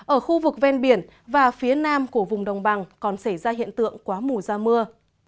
ở khu vực ven biển và phía nam của vùng đồng bằng còn xảy ra hiện tượng quá mù ra mưa